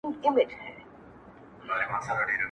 • زما په ټاكنو كي ستا مست خال ټاكنيز نښان دی.